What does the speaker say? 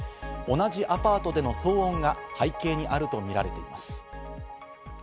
同じアパートでの騒音が背景にあるとみられています。